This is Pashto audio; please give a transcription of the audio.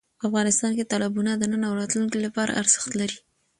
افغانستان کې تالابونه د نن او راتلونکي لپاره ارزښت لري.